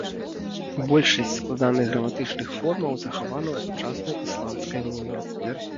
Большасць складаных граматычных формаў захавана ў сучаснай ісландскай мове.